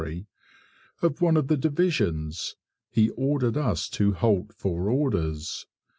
of one of the divisions, he ordered us to halt for orders.